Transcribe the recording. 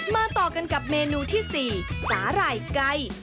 ต่อกันกับเมนูที่๔สาหร่ายไก่